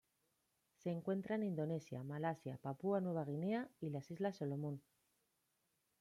Se encuentran Indonesia, Malasia, Papúa Nueva Guinea y las Islas Salomón.